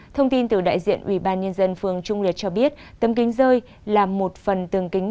thông tin từ đại diện ủy ban nhân dân phường trung liệt cho biết tấm kính rơi là một phần tường kính